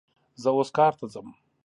زه اوس کار ته ځم